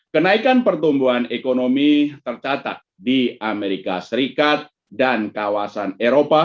kenaikan pertumbuhan ekonomi tercatat di amerika serikat dan kawasan eropa